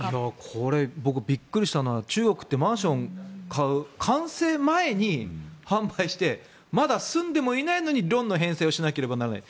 これ、僕びっくりしたのは中国ってマンションを買う時完成前に販売してまだ住んでもいないのにローンの返済をしなきゃいけない。